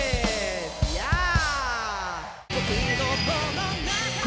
やあ！